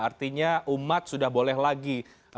artinya umat sudah boleh lagi